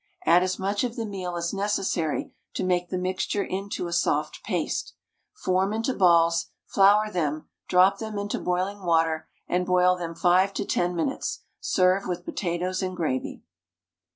Add as much of the meal as necessary to make the mixture into a soft paste. Form into balls, flour them, drop them into boiling water, and boil them 5 to 10 minutes; serve with potatoes and gravy.